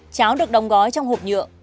cháo được đóng gói trong hộp nhựa